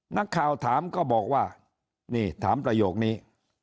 นักข่าวถามก็บอกว่านี่ถามประโยคนี้